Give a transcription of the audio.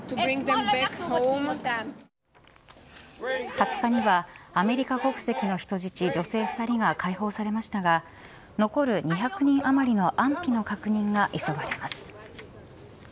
２０日にはアメリカ国籍の人質女性２人が解放されましたが残る２００人余りの安否の確認が急がれます。